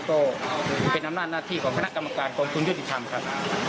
ก็เป็นอำนาจหน้าที่ของคณะกรรมการกองทุนยุติธรรมครับ